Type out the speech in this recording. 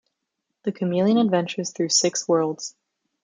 The chameleon adventures through six worlds.